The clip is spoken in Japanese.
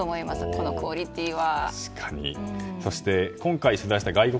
このクオリティーは。